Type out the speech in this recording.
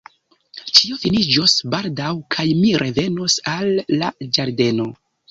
Ĉio finiĝos baldaŭ kaj mi revenos al la Ĝardeno.